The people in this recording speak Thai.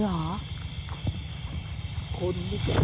ขนเหมือนกันครับ